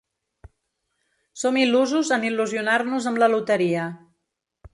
Som il·lusos en il·lusionar-nos amb la loteria.